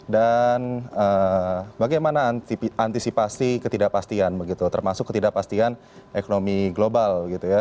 dan bagaimana antisipasi ketidakpastian termasuk ketidakpastian ekonomi global